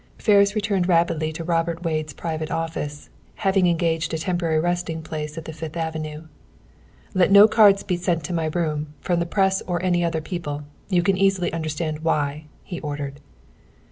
Ferris returned rapidly to Robert Wade's private office, having engaged a temporary resting place at the Fifth Avenue. "Let no cards be sent to my room from the press or any other people. You can easily understand why!" he ordered.